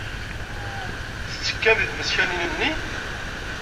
Tettekkam deg tmeskanin-nni?